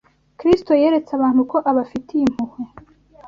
Kristo yeretse abantu ko abafitiye impuhwe